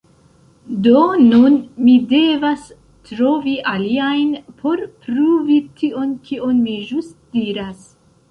Do nun mi devas trovi aliajn por pruvi tion kion mi ĵus diras.